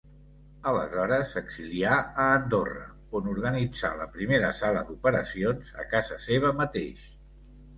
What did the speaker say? Aleshores s'exilià a Andorra, on organitzà la primera sala d'operacions a casa seva mateix.